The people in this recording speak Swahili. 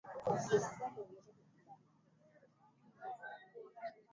aganyiro kikali kinatarajiwa kati ya waziri mkuu wa zamani